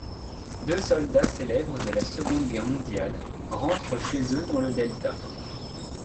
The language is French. Deux soldats célèbres de la Seconde Guerre mondiale rentrent chez eux dans le delta.